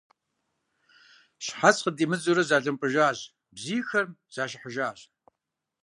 Щхьэц къыдимыдзурэ зэлымпӀыжащ, бзийхэм зашыхьыжащ.